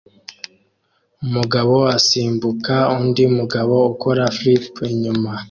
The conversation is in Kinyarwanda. Umugabo asimbuka undi mugabo ukora flip inyuma